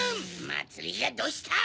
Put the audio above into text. まつりがどうした！